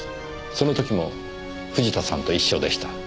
その時も藤田さんと一緒でした。